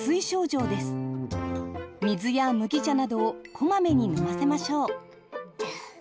水や麦茶などをこまめに飲ませましょう。